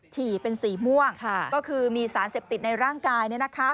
ฉี่เป็นสีม่วงก็คือมีสารเสพติดในร่างกาย